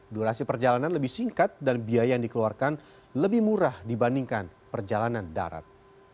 durasi perjalanan lebih singkat dan biaya yang dikeluarkan lebih murah dibandingkan perjalanan darat